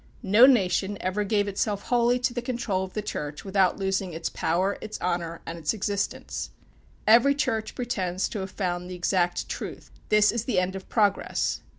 No nation ever gave itself wholly to the control of the Church without losing its power, its honor, and existence. Every Church pretends to have found the exact truth. This is the end of progress.